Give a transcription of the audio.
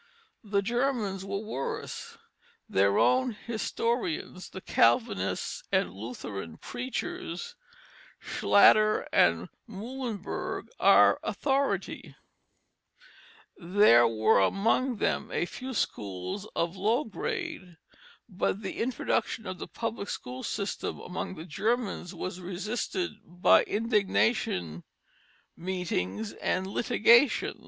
The Germans were worse; their own historians, the Calvinist and Lutheran preachers, Schlatter and Muhlenberg, are authority; there were among them a few schools of low grade; but the introduction of the public school system among the Germans was resisted by indignation meetings and litigation.